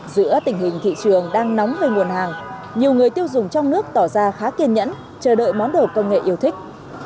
giữa tình hình thị trường đang nóng về nguồn hàng nhiều người tiêu dùng trong nước tỏ ra khá kiên nhẫn chờ đợi món đồ công nghệ yêu thích